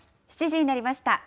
７時になりました。